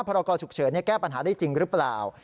รกรฉุกเฉินแก้ปัญหาได้จริงหรือเปล่า